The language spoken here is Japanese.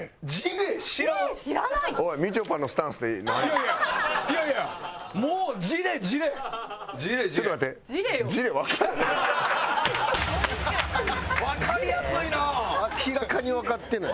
明らかにわかってない。